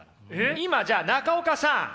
今じゃあ中岡さん。